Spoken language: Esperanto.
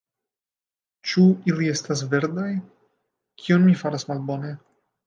Ĉu ili estas verdaj? Kion mi faras malbone?